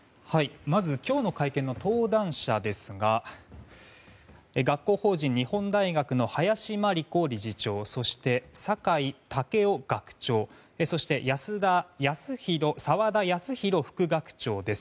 まず、今日の会見の登壇者ですが学校法人日本大学の林真理子理事長そして、酒井健夫学長そして、澤田康広副学長です。